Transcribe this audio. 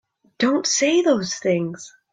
Don't say those things!